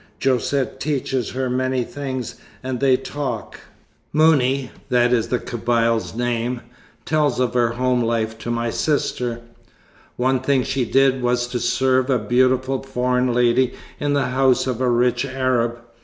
Josette teaches her many things, and they talk. Mouni that is the Kabyle's name tells of her home life to my sister. One thing she did was to serve a beautiful foreign lady in the house of a rich Arab.